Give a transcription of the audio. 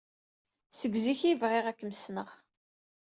Seg zik ay bɣiɣ ad kem-ssneɣ.